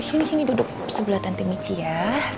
sini sini duduk sebelah tante mici ya